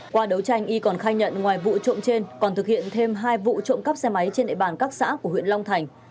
qua đấu tranh y còn khai nhận ngoài vụ trộm trên còn thực hiện thêm hai vụ trộm cắp xe máy trên địa bàn các xã của huyện long thành